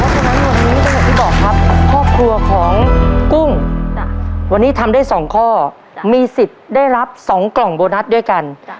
เพราะว่าที่บอกครับครอบครัวของกุ้งจ้ะวันนี้ทำได้สองข้อจ้ะมีสิทธิ์ได้รับสองกล่องโบนัสด้วยกันจ้ะ